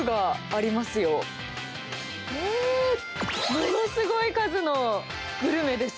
ものすごい数のグルメです。